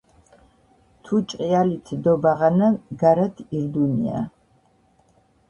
თუ ჭყიალით დო ბაღანა ნგარათ ირდუნია.